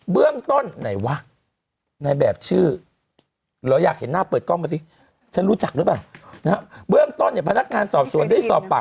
เบื้องต้นไหนวะนายแบบชื่อหรืออยากเห็นหน้าเปิดกล้องมาสิฉันรู้จักหรือเปล่า